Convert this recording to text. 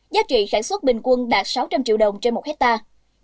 giá trị sản xuất bình quân đạt sáu trăm linh triệu đồng trên một hectare